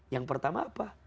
yang pertama apa